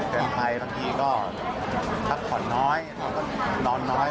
เตือนไทยบางทีก็ทักขอน้อยนอนน้อย